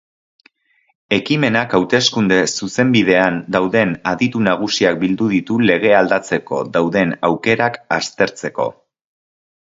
Ekimenak hateskunde-zuzenbidean dauden aditu nagusiak bildu ditu legea aldatzeko dauden aukerak aztertzeko.